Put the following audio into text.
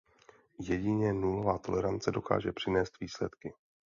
Jedině nulová tolerance dokáže přinést výsledky.